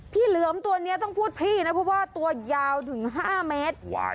เหลือมตัวนี้ต้องพูดพี่นะเพราะว่าตัวยาวถึง๕เมตร